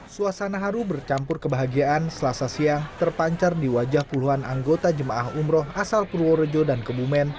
suasana haru bercampur kebahagiaan selasa siang terpancar di wajah puluhan anggota jemaah umroh asal purworejo dan kebumen